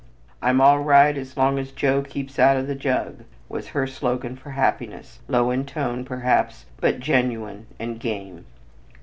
"I'm all right as long as Joe keeps out of the jug," was her slogan of happiness, low in tone, perhaps, but genuine and "game."